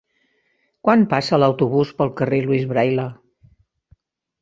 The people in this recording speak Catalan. Quan passa l'autobús pel carrer Louis Braille?